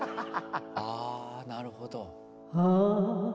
「ああなるほど」